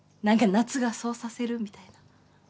何か夏がそうさせるみたいな。